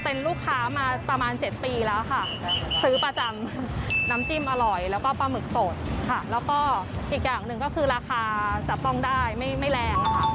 เป็นลูกค้ามาประมาณ๗ปีแล้วค่ะซื้อประจำน้ำจิ้มอร่อยแล้วก็ปลาหมึกสดค่ะแล้วก็อีกอย่างหนึ่งก็คือราคาจับต้องได้ไม่แรงค่ะ